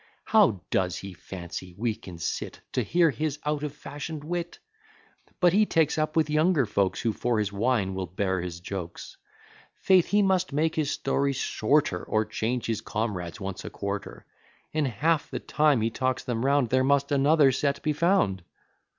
How does he fancy we can sit To hear his out of fashion'd wit? But he takes up with younger folks, Who for his wine will bear his jokes. Faith! he must make his stories shorter, Or change his comrades once a quarter: In half the time he talks them round, There must another set be found.